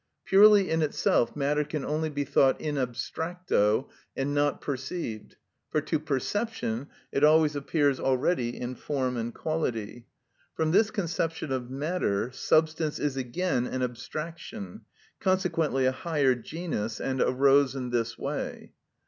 Purely in itself, matter can only be thought in abstracto, and not perceived; for to perception it always appears already in form and quality. From this conception of matter, substance is again an abstraction, consequently a higher genus, and arose in this way.